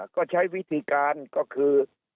ก็ใช้วิธีการก็คือ